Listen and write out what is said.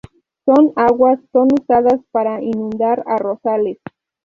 Sus aguas son usadas para inundar arrozales.